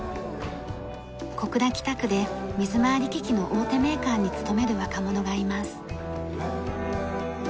小倉北区で水回り機器の大手メーカーに勤める若者がいます。